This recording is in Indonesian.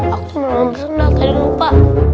aku belum pernah lupa